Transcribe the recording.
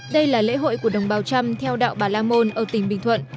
đây là lễ hội của đồng bào trăm theo đạo bà la môn ở tỉnh bình thuận